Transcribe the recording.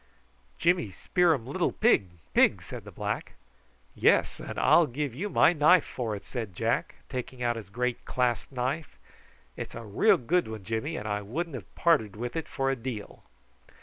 "Jimmy spear um lil pig, pig," said the black. "Yes, and I'll give you my knife for it," said Jack, taking out his great clasp knife. "It's a real good one, Jimmy, and I wouldn't have parted with it for a deal."